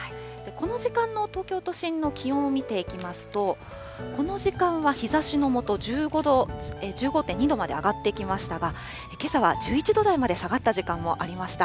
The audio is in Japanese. この時間の東京都心の気温を見ていきますと、この時間は日ざしの下、１５．２度まで上がってきましたが、けさは１１度台まで下がった時間もありました。